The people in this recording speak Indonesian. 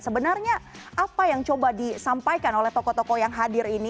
sebenarnya apa yang coba disampaikan oleh tokoh tokoh yang hadir ini